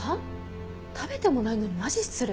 食べてもないのにマジ失礼。